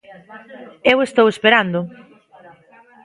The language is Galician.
Eu estou esperando.